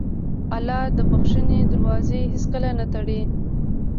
الله د بښنې دروازه هېڅکله نه تړي.